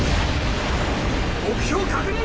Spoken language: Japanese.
目標確認！